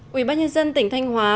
quỹ bác nhân dân tỉnh thanh hóa